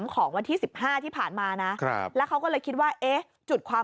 ของวันที่๑๕ที่ผ่านมานะครับแล้วเขาก็เลยคิดว่าเอ๊ะจุดความ